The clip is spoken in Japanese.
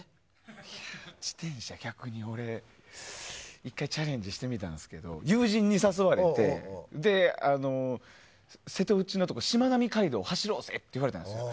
いや、自転車、逆に俺１回チャレンジしてみたんですけど友人に誘われて瀬戸内のところ、しまなみ海道走ろうぜって言われたんですよ。